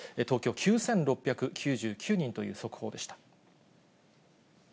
東京、９６９９人という速報でした。